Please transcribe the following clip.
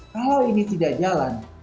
kalau ini tidak jalan